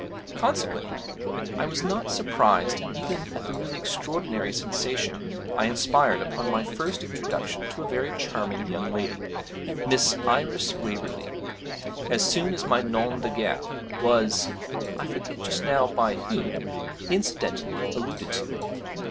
Consequently I was not surprised even at the really extraordinary sensation I inspired upon my first introduction to a very charming young lady, Miss Iris Waverley, as soon as my nom de guerre was (I forget just now by whom) incidentally alluded to.